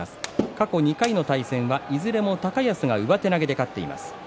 過去２回の対戦はいずれも高安が上手投げで勝っています。